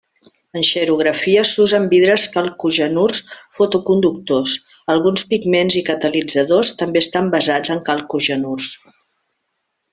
En xerografia s'usen vidres calcogenurs fotoconductors Alguns pigments i catalitzadors també estan basats en calcogenurs.